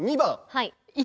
はい。